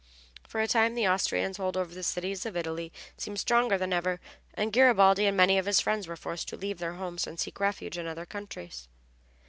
For a time the Austrians' hold over the cities of Italy seemed stronger than ever, and Garibaldi and many of his friends were forced to leave their homes and seek refuge in other countries.